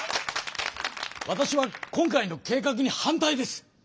わたしは今回の計画に反対です！